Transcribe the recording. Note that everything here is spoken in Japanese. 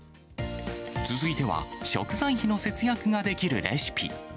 続いては、食材費の節約ができるレシピ。